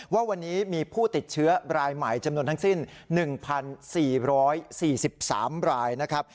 ว่าวันนี้มีผู้ติดเชื้อรายใหม่จำนวนทั้งสิ้น๑๔๔๔๓รายนะครับ